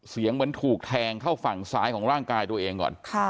เสียงเหมือนถูกแทงเข้าฝั่งซ้ายของร่างกายตัวเองก่อน